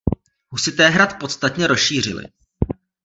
Husité hrad podstatně rozšířili.